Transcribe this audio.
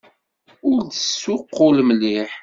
Ur d-tessuqqul mliḥ.